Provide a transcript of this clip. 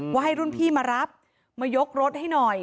ว่าให้รุ่นพี่มารับมายกรถให้หน่อย